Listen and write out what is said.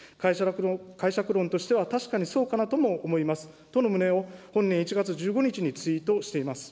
解釈論としては、確かにそうかなとも思いますとの旨を本年１月１５日にツイートしています。